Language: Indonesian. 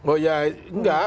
oh ya nggak